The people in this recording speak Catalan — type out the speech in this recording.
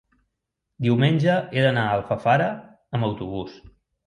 Diumenge he d'anar a Alfafara amb autobús.